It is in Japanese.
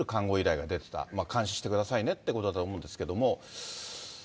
親に対して監視してくださいねってことだと思うんですけども。